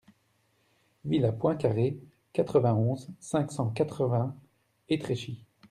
Villa Poincaré, quatre-vingt-onze, cinq cent quatre-vingts Étréchy